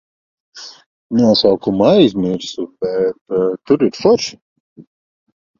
Nosaukumu aizmirsu, bet tur ir forši.